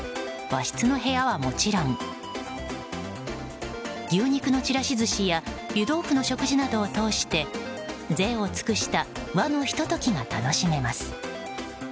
和室の部屋はもちろん牛肉のちらし寿司や湯豆腐の食事などを通して贅を尽くした和のひと時が楽しめます。